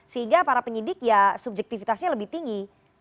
sehingga para penyidik ya subjektivitasnya lebih tinggi